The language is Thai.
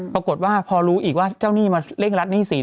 ปรากฏว่าพอรู้อีกว่าเจ้าหนี้มาเร่งรัดหนี้สิน